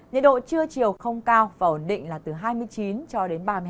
nhiệt độ trưa chiều không cao và ổn định là từ hai mươi chín cho đến ba mươi hai